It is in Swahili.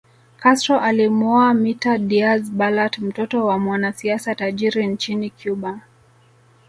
Castro alimuoa Mirta Diaz Balart mtoto wa mwanasiasa tajiri nchini Cuba